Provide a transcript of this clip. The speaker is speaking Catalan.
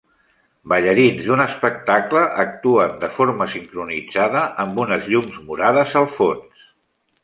Ballarins d'un espectacle actuen de forma sincronitzada amb unes llums morades al fons.